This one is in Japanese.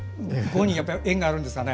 ５に縁があるんですかね。